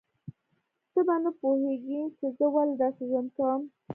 ته به نه پوهیږې چې زه ولې داسې ژوند کوم